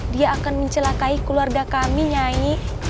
dia akan mencelakai keluarga kami nyanyi